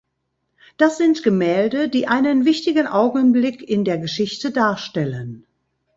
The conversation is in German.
Das sind Gemälde, die einen wichtigen Augenblick in der Geschichte darstellen.